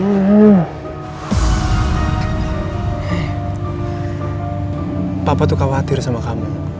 eh papa tuh khawatir sama kamu